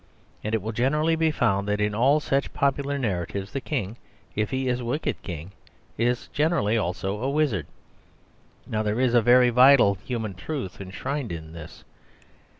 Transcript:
And it will generally be found that in all such popular narratives, the king, if he is a wicked king, is generally also a wizard. Now there is a very vital human truth enshrined in this.